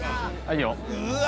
うわ！